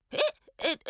えっ！